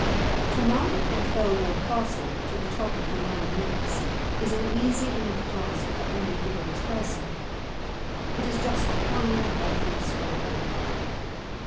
To mount from Thirlwall Castle to the top of the Nine Nicks is an easy enough task for any vigorous person. It is just a fine healthy scramble.